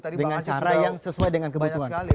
dengan cara yang sesuai dengan kebutuhan